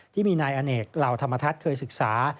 ที่มีนายอเนกเหล่าธรรมทัศน์เคยศึกษา